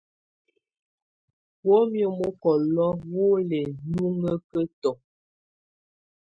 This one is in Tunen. Wǝ́miǝ́ mɔkɔlɔ wɔ lɛ́ núŋǝ́kǝ́tɔ́.